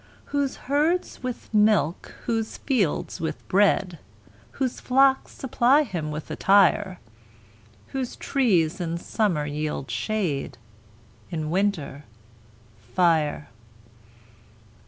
Whose herds with milk, whose fields with bread, Whose flocks supply him with attire; Whose trees in summer yield shade, In winter, fire.